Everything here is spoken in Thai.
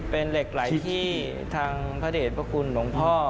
เป็นเหล็กไหลที่ทางพระเด็จพระคุณหลวงพ่อ